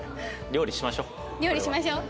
料理しましょうこれは。料理しましょう。